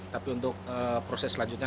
tapi untuk proses selanjutnya